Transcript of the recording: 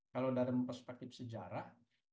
kalau dari perspektif sejarah